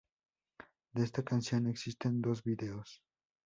De esta canción existen dos videos.